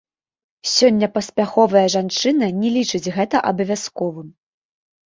Сёння паспяховая жанчына не лічыць гэта абавязковым.